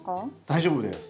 大丈夫です。